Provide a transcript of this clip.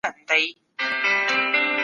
د مشکل د حل لپاره کار وکړئ.